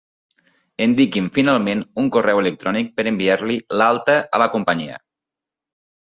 Indiqui'm, finalment, un correu electrònic per enviar-li l'alta a la companyia.